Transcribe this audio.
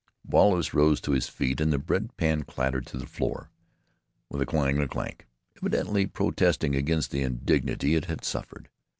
Wallace rose to his feet, and the bread pan clattered to the floor, with a clang and a clank, evidently protesting against the indignity it had suffered.